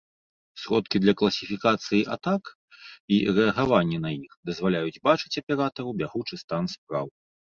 Сродкі для класіфікацыі атак і рэагаванне на іх дазваляюць бачыць аператару бягучы стан спраў.